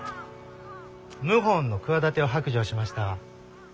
謀反の企てを白状しましたわ。